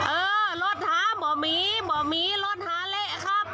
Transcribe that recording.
เออโลดท้าหม่อมีหม่อมีโลดท้าเละครับ